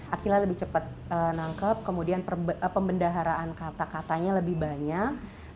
akhila lebih cepat nangkep kemudian pembendaharaan kata katanya lebih banyak